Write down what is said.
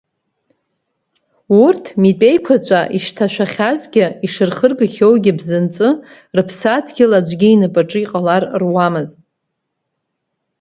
Урҭ митәеиқәаҵәа ишҭашәахьазгьы, ишырхыргахьоугьы бзанҵы Рыԥсадгьыл аӡәгьы инапаҿы иҟалар руамызт.